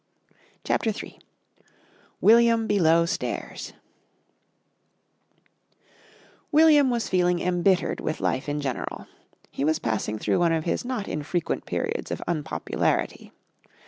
CHAPTER III WILLIAM BELOW STAIRS William was feeling embittered with life in general. He was passing through one of his not infrequent periods of unpopularity.